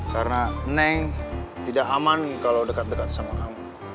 karena neng tidak aman kalau dekat dekat sama kamu